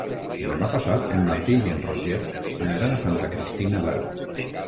Demà passat en Martí i en Roger aniran a Santa Cristina d'Aro.